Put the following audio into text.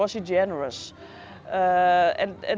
apakah dia berbahagia